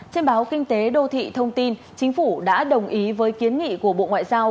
trên báo kinh tế đô thị thông tin chính phủ đã đồng ý với kiến nghị của bộ ngoại giao